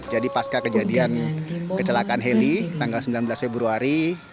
jadi pas kejadian kecelakaan heli tanggal sembilan belas februari